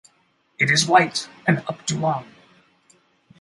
It is white and up to long.